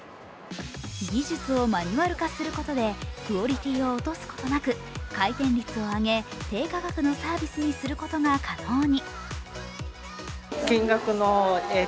技術をマニュアル化することでクオリティーを落とすことなく、回転率を上げ、低価格のサービスにすることが可能に。